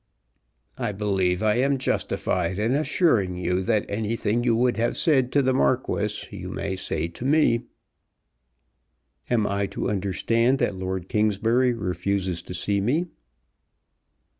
"I believe I am justified in assuring you that anything you would have said to the Marquis you may say to me." "Am I to understand that Lord Kingsbury refuses to see me?"